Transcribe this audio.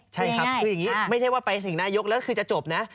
ใช่ครับคืออย่างนี้ไม่ใช่ว่าไปถึงนายกแล้วคือจะจบนะ